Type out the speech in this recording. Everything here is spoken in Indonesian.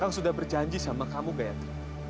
kakang sudah berjanji sama kamu gayatri